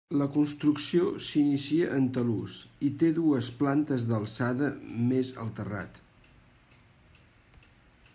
La construcció s'inicia en talús i té dues plantes d'alçada més el terrat.